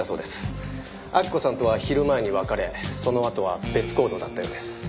明子さんとは昼前に別れそのあとは別行動だったようです。